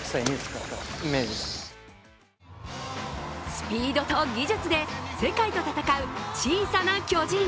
スピードと技術で世界と戦う小さな巨人。